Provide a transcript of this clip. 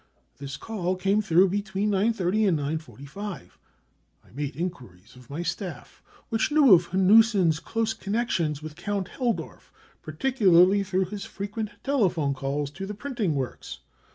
This call came through between 9.30 and 9.45. I made enquiries of my staff, which knew of Hanussen's close connections with Count Helidorf, particularly through his frequent telephone calls to the printing works.